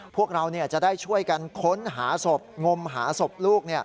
พวกเราจะได้ช่วยกันค้นหาศพงมหาศพลูก